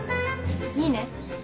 いいね。